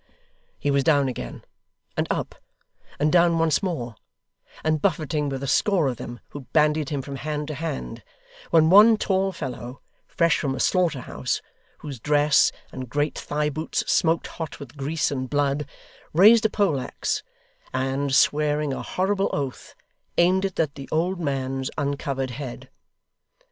He was down again, and up, and down once more, and buffeting with a score of them, who bandied him from hand to hand, when one tall fellow, fresh from a slaughter house, whose dress and great thigh boots smoked hot with grease and blood, raised a pole axe, and swearing a horrible oath, aimed it at the old man's uncovered head.